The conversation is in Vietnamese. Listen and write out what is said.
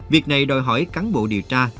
việc này đòi hỏi cán bộ điều tra